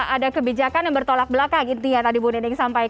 ada kebijakan yang bertolak belakang gitu ya tadi bu nending sampaikan